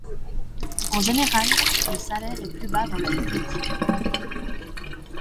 En général, le salaire est plus bas dans le public.